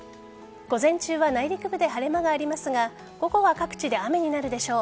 午前中は内陸部で晴れ間がありますが午後は各地で雨になるでしょう。